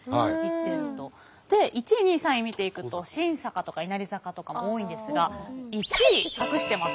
で１位２位３位見ていくと「新坂」とか「稲荷坂」とかも多いんですが１位隠してます。